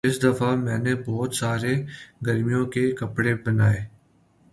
اس دفعہ میں نے بہت سارے گرمیوں کے کپڑے بنائے